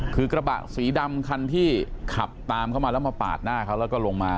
คือกระบะสีดำคันที่ขับตามาแล้วมาปาดหน้าเขา